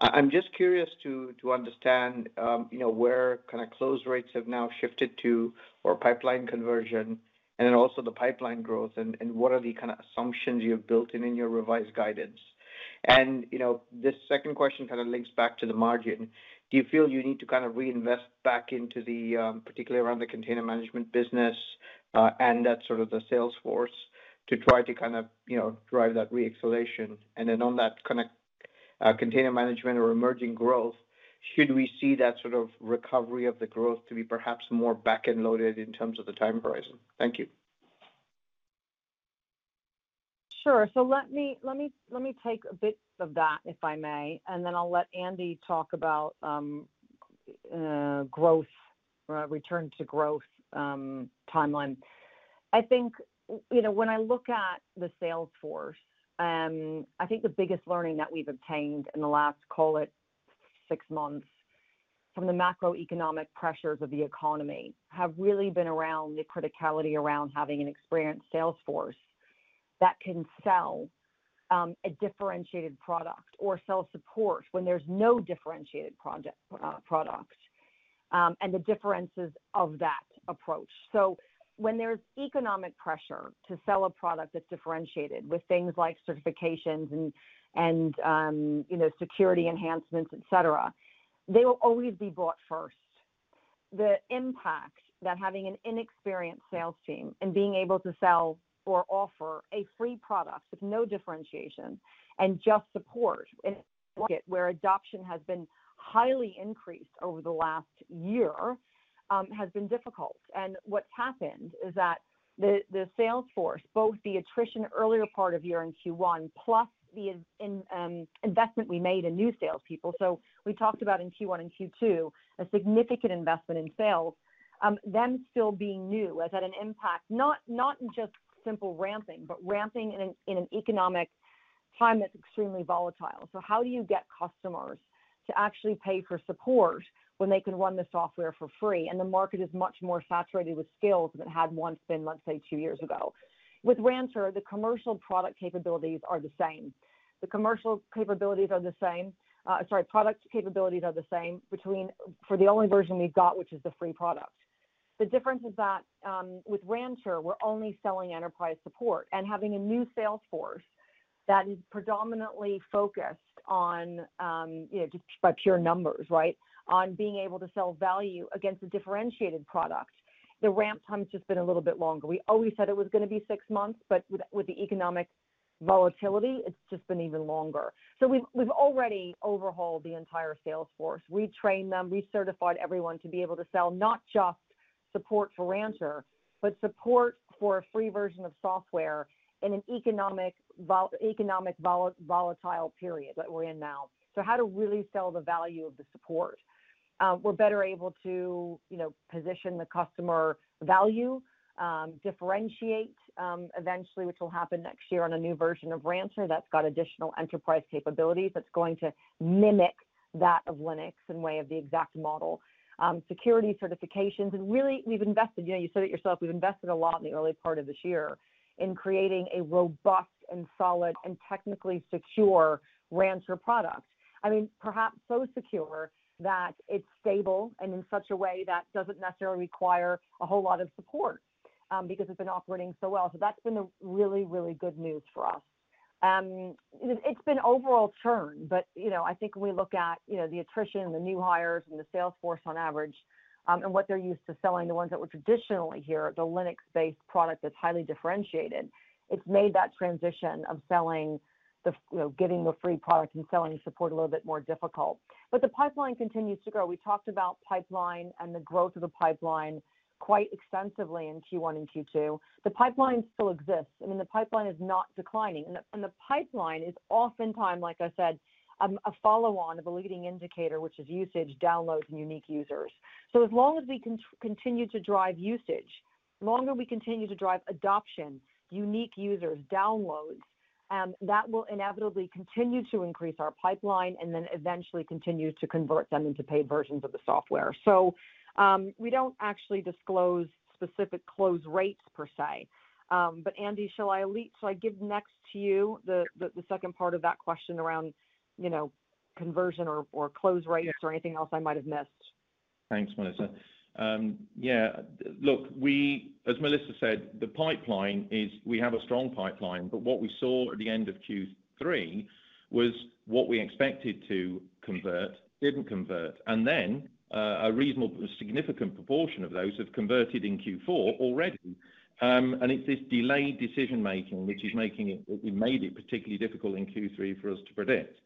I'm just curious to understand, you know, where kinda close rates have now shifted to or pipeline conversion and then also the pipeline growth and what are the kinda assumptions you have built in your revised guidance? You know, this second question kinda links back to the margin. Do you feel you need to kind of reinvest back into the, particularly around the container management business, and that sort of the sales force to try to kind of, you know, drive that reacceleration? On that context, container management or emerging growth, should we see that sort of recovery of the growth to be perhaps more backend loaded in terms of the time horizon? Thank you. Sure. Let me take a bit of that, if I may, and then I'll let Andy talk about growth or return to growth timeline. I think, you know, when I look at the sales force, I think the biggest learning that we've obtained in the last, call it six months from the macroeconomic pressures of the economy, have really been around the criticality around having an experienced sales force that can sell a differentiated product or sell support when there's no differentiated product, and the differences of that approach. When there's economic pressure to sell a product that's differentiated with things like certifications and security enhancements, et cetera, they will always be bought first. The impact that having an inexperienced sales team and being able to sell or offer a free product with no differentiation and just support in a market where adoption has been highly increased over the last year has been difficult. What's happened is that the sales force, both the attrition earlier part of year in Q1, plus the investment we made in new salespeople. We talked about in Q1 and Q2, a significant investment in sales, them still being new has had an impact, not just simple ramping, but ramping in an economic time that's extremely volatile. How do you get customers to actually pay for support when they can run the software for free, and the market is much more saturated with skills than it had once been, let's say, two years ago? With Rancher, the commercial product capabilities are the same for the only version we've got, which is the free product. The difference is that, with Rancher, we're only selling enterprise support and having a new sales force that is predominantly focused on, you know, just by pure numbers, right? On being able to sell value against a differentiated product. The ramp time's just been a little bit longer. We always said it was gonna be six months, but with the economic volatility, it's just been even longer. We've already overhauled the entire sales force. We trained them. We certified everyone to be able to sell not just support for Rancher, but support for a free version of software in an economic volatile period that we're in now. How to really sell the value of the support. We're better able to, you know, position the customer value, differentiate, eventually, which will happen next year on a new version of Rancher that's got additional enterprise capabilities that's going to mimic that of Linux in way of the exact model, security certifications. We've invested, you know, you said it yourself, we've invested a lot in the early part of this year in creating a robust and solid and technically secure Rancher product. I mean, perhaps so secure that it's stable and in such a way that doesn't necessarily require a whole lot of support, because it's been operating so well. That's been a really good news for us. It's been overall churn, but, you know, I think when we look at, you know, the attrition, the new hires and the sales force on average, and what they're used to selling, the ones that were traditionally here, the Linux-based product that's highly differentiated, it's made that transition of selling, you know, giving the free product and selling the support a little bit more difficult. The pipeline continues to grow. We talked about pipeline and the growth of the pipeline quite extensively in Q1 and Q2. The pipeline still exists. I mean, the pipeline is not declining, and the pipeline is oftentimes, like I said, a follow-on of a leading indicator, which is usage, downloads, and unique users. As long as we continue to drive usage, the longer we continue to drive adoption, unique users, downloads, that will inevitably continue to increase our pipeline and then eventually continue to convert them into paid versions of the software. We don't actually disclose specific close rates per se. But Andy, shall I give next to you the second part of that question around, you know, conversion or close rates or anything else I might have missed? Thanks, Melissa. Yeah. Look, as Melissa said, the pipeline is we have a strong pipeline, but what we saw at the end of Q3 was what we expected to convert didn't convert. A reasonable significant proportion of those have converted in Q4 already. It's this delayed decision-making, which made it particularly difficult in Q3 for us to predict.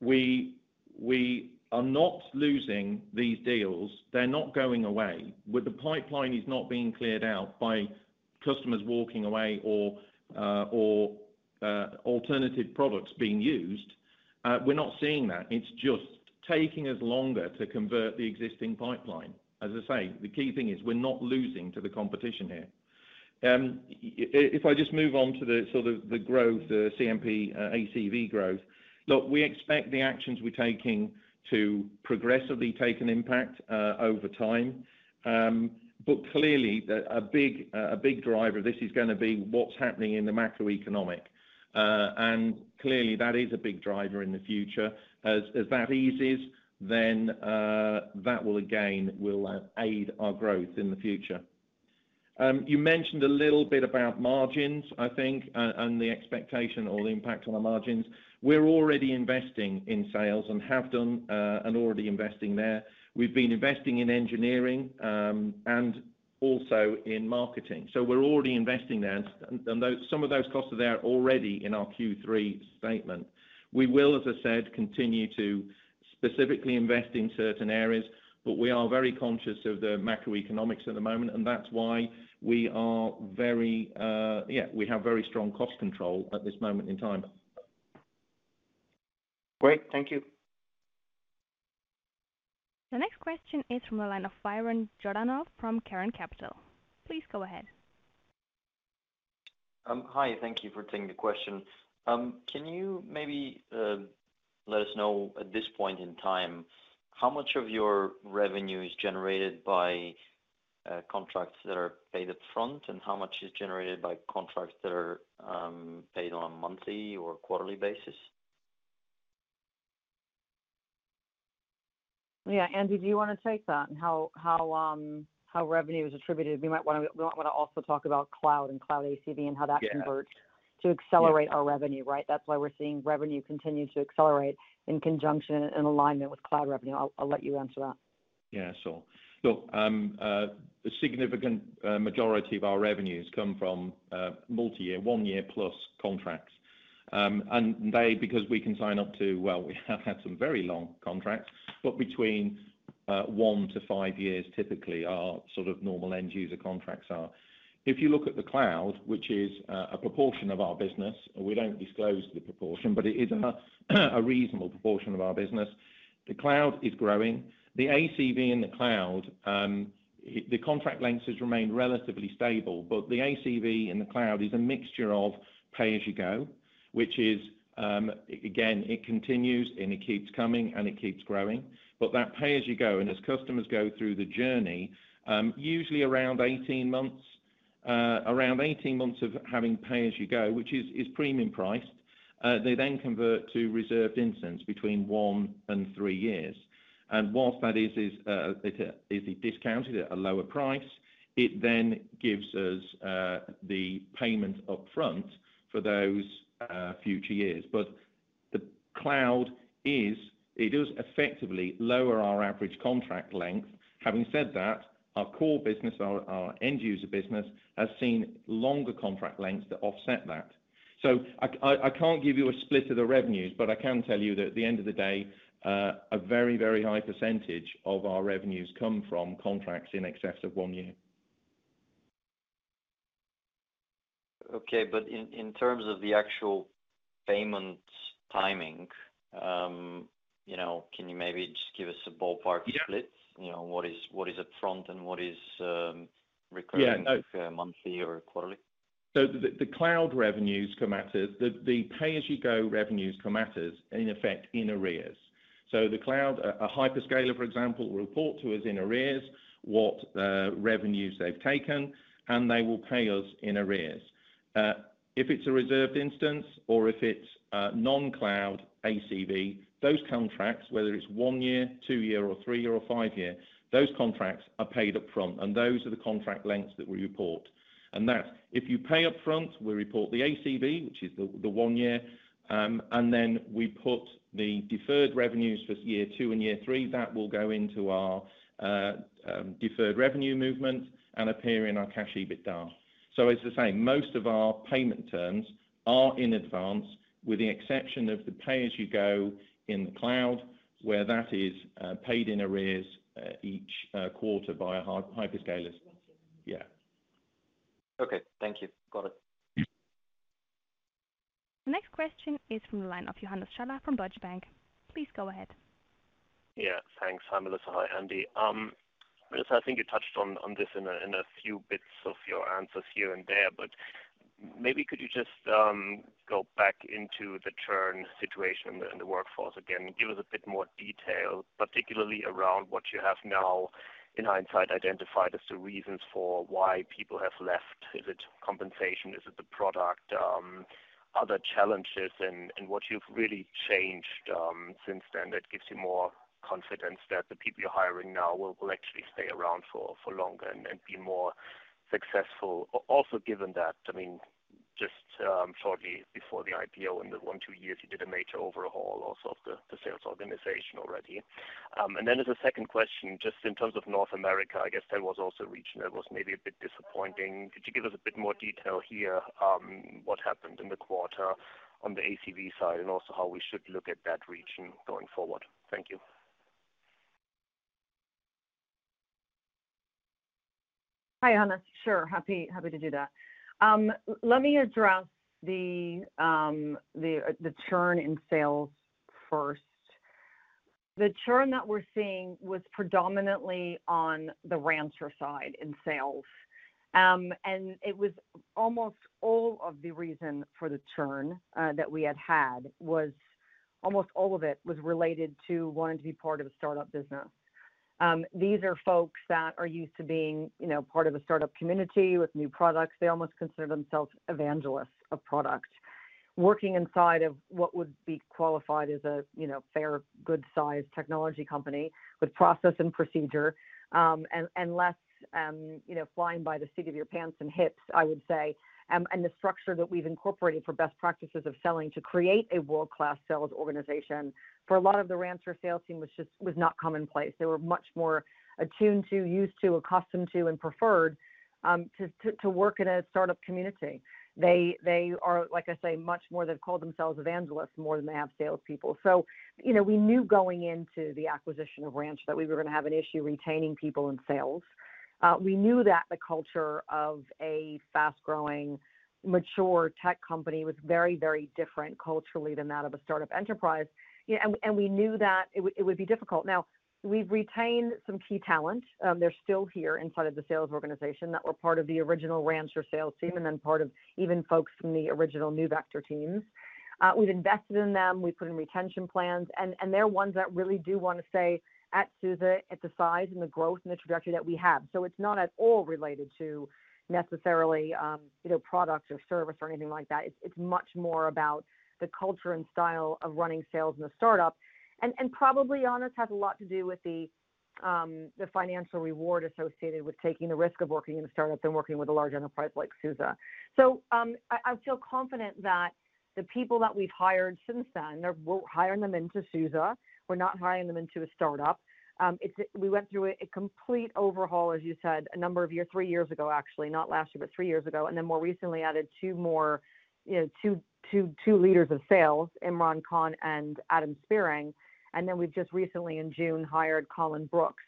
We are not losing these deals. They're not going away. The pipeline is not being cleared out by customers walking away or alternative products being used. We're not seeing that. It's just taking us longer to convert the existing pipeline. As I say, the key thing is we're not losing to the competition here. If I just move on to the sort of the growth, the CMP, ACV growth. Look, we expect the actions we're taking to progressively have an impact over time. Clearly a big driver of this is gonna be what's happening in the macroeconomy. Clearly that is a big driver in the future. As that eases, that will again aid our growth in the future. You mentioned a little bit about margins, I think, and the expectation or the impact on the margins. We're already investing in sales and have done, and already investing there. We've been investing in engineering, and also in marketing. We're already investing there. Some of those costs are there already in our Q3 statement. We will, as I said, continue to specifically invest in certain areas, but we are very conscious of the macroeconomics at the moment, and that's why we are very, we have very strong cost control at this moment in time. Great. Thank you. The next question is from the line of Vihren Jordanov from Cairn Capital. Please go ahead. Hi. Thank you for taking the question. Can you maybe let us know at this point in time, how much of your revenue is generated by contracts that are paid up front, and how much is generated by contracts that are paid on a monthly or quarterly basis? Yeah. Andy, do you wanna take that and how revenue is attributed? We might wanna also talk about cloud and cloud ACV and how that converts. To accelerate our revenue, right? That's why we're seeing revenue continue to accelerate in conjunction and alignment with cloud revenue. I'll let you answer that. Yeah, sure. Look, the significant majority of our revenues come from multi-year, one year plus contracts. Well, we have had some very long contracts, but between one to five years typically are sort of normal end user contracts. If you look at the cloud, which is a proportion of our business, we don't disclose the proportion, but it is a reasonable proportion of our business. The cloud is growing. The ACV in the cloud, the contract lengths has remained relatively stable, but the ACV in the cloud is a mixture of pay-as-you-go, which is again, it continues, and it keeps coming, and it keeps growing. That pay-as-you-go and as customers go through the journey, around 18 months of having pay-as-you-go, which is premium priced, they then convert to reserved instance between one to three years. Whilst that is discounted at a lower price, it then gives us the payment upfront for those future years. The cloud does effectively lower our average contract length. Having said that, our core business, our end user business, has seen longer contract lengths that offset that. I can't give you a split of the revenues, but I can tell you that at the end of the day, a very, very high percentage of our revenues come from contracts in excess of one year. Okay. In terms of the actual payment timing, you know, can you maybe just give us a ballpark split? Yeah. You know, what is upfront and what is recurring. Yeah. Monthly or quarterly? The cloud revenues come at a. The pay-as-you-go revenues come at a, in effect, in arrears. A Hyperscaler, for example, will report to us in arrears what revenues they've taken, and they will pay us in arrears. If it's a reserved instance or if it's a non-cloud ACV, those contracts, whether it's one year, two year or three year or five year, those contracts are paid upfront, and those are the contract lengths that we report. That's if you pay upfront, we report the ACV, which is the one year, and then we put the deferred revenues for year two and year three that will go into our deferred revenue movement and appear in our cash EBITDA. As I say, most of our payment terms are in advance, with the exception of the pay-as-you-go in the cloud, where that is paid in arrears each quarter by Hyperscalers. Yeah. Okay. Thank you. Got it. The next question is from the line of Johannes Schaller from Deutsche Bank. Please go ahead. Yeah, thanks. Hi, Melissa. Hi, Andy. Melissa, I think you touched on this in a few bits of your answers here and there, but maybe could you just go back into the churn situation in the workforce again, give us a bit more detail, particularly around what you have now in hindsight identified as the reasons for why people have left. Is it compensation? Is it the product? Other challenges and what you've really changed since then that gives you more confidence that the people you're hiring now will actually stay around for longer and be more successful. Also given that, I mean, just shortly before the IPO in the one two years, you did a major overhaul also of the sales organization already. As a second question, just in terms of North America, I guess that was also a region that was maybe a bit disappointing. Could you give us a bit more detail here on what happened in the quarter on the ACV side and also how we should look at that region going forward? Thank you. Hi, Johannes. Sure. Happy to do that. Let me address the churn in sales first. The churn that we're seeing was predominantly on the Rancher side in sales. It was almost all of the reason for the churn that we had. Almost all of it was related to wanting to be part of a startup business. These are folks that are used to being, you know, part of a startup community with new products. They almost consider themselves evangelists of product. Working inside of what would be qualified as a, you know, fairly good sized technology company with process and procedure, and less, you know, flying by the seat of your pants, I would say. The structure that we've incorporated for best practices of selling to create a world-class sales organization for a lot of the Rancher sales team was not commonplace. They were much more attuned to, used to, accustomed to, and preferred to work in a startup community. They are, like I say, much more they've called themselves evangelists more than they have salespeople. You know, we knew going into the acquisition of Rancher that we were gonna have an issue retaining people in sales. We knew that the culture of a fast-growing, mature tech company was very different culturally than that of a startup enterprise. You know, we knew that it would be difficult. Now, we've retained some key talent, they're still here inside of the sales organization that were part of the original Rancher sales team and then part of even folks from the original NeuVector teams. We've invested in them. We've put in retention plans, and they're ones that really do wanna stay at SUSE at the size and the growth and the trajectory that we have. So it's not at all related to necessarily, you know, product or service or anything like that. It's much more about the culture and style of running sales in a startup and probably, Johannes, has a lot to do with the financial reward associated with taking the risk of working in a startup than working with a large enterprise like SUSE. I feel confident that the people that we've hired since then, we're hiring them into SUSE, we're not hiring them into a startup. We went through a complete overhaul, as you said, a number of years, three years ago, actually, not last year, but three years ago, and then more recently added two more, you know, two leaders of sales, Imran Khan and Adam Spearing. Then we've just recently in June, hired Colin Brookes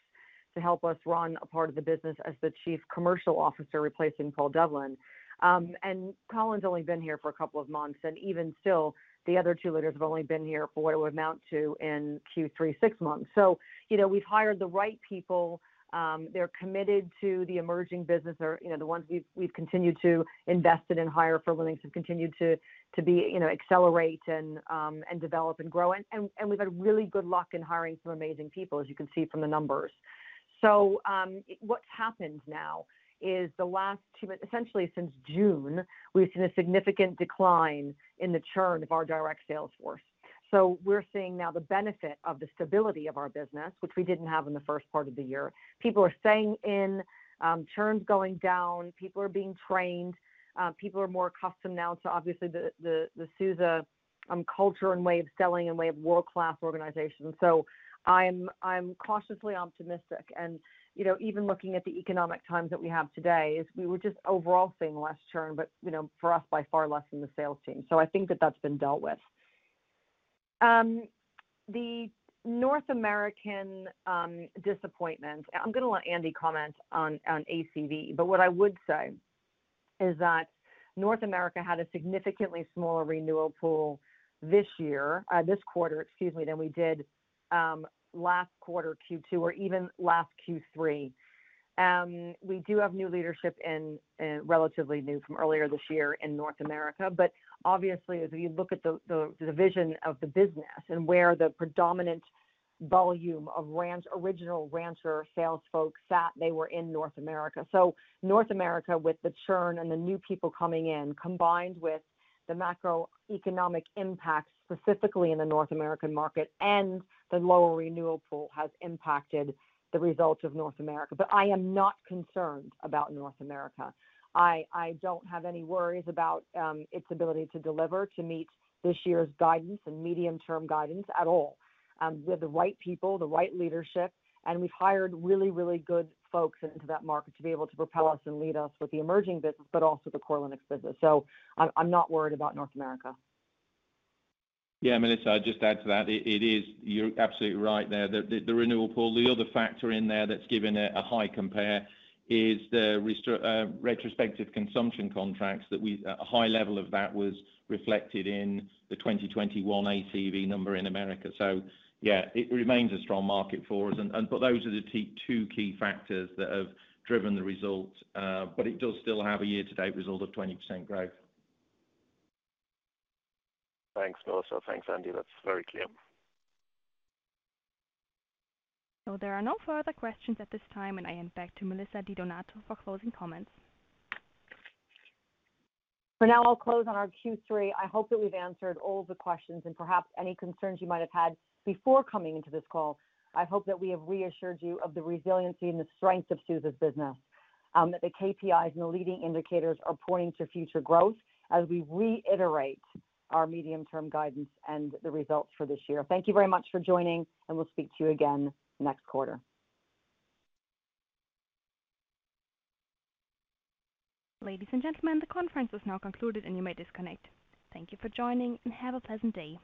to help us run a part of the business as the Chief Commercial Officer, replacing Paul Devlin. Colin's only been here for a couple of months, and even still, the other two leaders have only been here for what it would amount to in Q3, six months. You know, we've hired the right people. They're committed to the emerging business or, you know, the ones we've continued to invest in and hire for Linux, have continued to be, you know, accelerate and develop and grow. We've had really good luck in hiring some amazing people, as you can see from the numbers. What's happened now is the last two months, essentially since June, we've seen a significant decline in the churn of our direct sales force. We're seeing now the benefit of the stability of our business, which we didn't have in the first part of the year. People are staying in. Churn's going down, people are being trained, people are more accustomed now to obviously the SUSE culture and way of selling and way of world-class organization. I'm cautiously optimistic. You know, even looking at the economic times that we have today, we were just overall seeing less churn, but you know, for us by far less than the sales team. I think that that's been dealt with. The North American disappointment. I'm gonna let Andy comment on ACV, but what I would say is that North America had a significantly smaller renewal pool this year, this quarter, excuse me, than we did, last quarter, Q2 or even last Q3. We do have new leadership and relatively new from earlier this year in North America. Obviously, as you look at the vision of the business and where the predominant volume of original Rancher sales folks sat, they were in North America. North America, with the churn and the new people coming in, combined with the macroeconomic impact, specifically in the North American market and the lower renewal pool, has impacted the results of North America. I am not concerned about North America. I don't have any worries about its ability to deliver, to meet this year's guidance and medium-term guidance at all. We have the right people, the right leadership, and we've hired really good folks into that market to be able to propel us and lead us with the emerging business, but also the core Linux business. I'm not worried about North America. Yeah. Melissa, I'd just add to that. It is. You're absolutely right there that the renewal pool, the other factor in there that's given a high compare is the retrospective consumption contracts. A high level of that was reflected in the 2021 ACV number in America. Yeah, it remains a strong market for us. But those are the two key factors that have driven the results. But it does still have a year-to-date result of 20% growth. Thanks, Melissa. Thanks, Andy. That's very clear. There are no further questions at this time, and I hand back to Melissa Di Donato for closing comments. For now, I'll close on our Q3. I hope that we've answered all the questions and perhaps any concerns you might have had before coming to this call. I hope that we have reassured you of the resiliency and the strength of SUSE's business, that the KPIs and the leading indicators are pointing to future growth as we reiterate our medium-term guidance and the results for this year. Thank you very much for joining, and we'll speak to you again next quarter. Ladies and gentlemen, the conference is now concluded and you may disconnect. Thank you for joining, and have a pleasant day.